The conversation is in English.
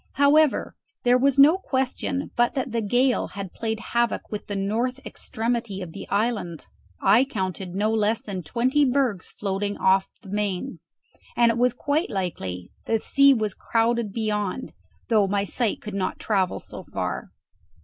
However, there was no question but that the gale had played havoc with the north extremity of the island: I counted no less than twenty bergs floating off the main, and it was quite likely the sea was crowded beyond, though my sight could not travel so far.